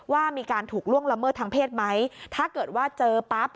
ว่ามีการถูกล่วงละเมิดทางเพศไหมถ้าเกิดว่าเจอปั๊บ